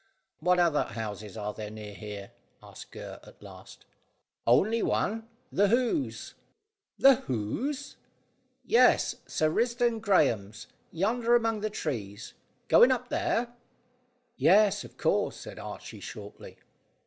"What other houses are there near here?" asked Gurr at last. "Only one. The Hoze." "The Hoze?" "Yes; Sir Risdon Graeme's. Yonder among the trees. Going up there?" "Yes, of course," said Archy shortly.